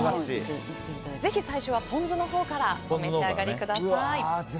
ぜひ、最初はポン酢のほうからお召し上がりください。